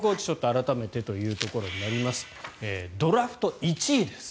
改めてということになりますがドラフト１位です。